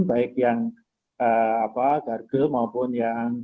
baik yang gargle maupun yang sempral